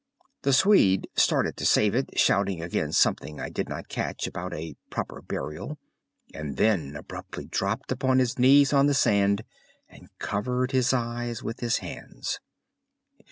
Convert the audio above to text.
The Swede started to save it, shouting again something I did not catch about a "proper burial"—and then abruptly dropped upon his knees on the sand and covered his eyes with his hands.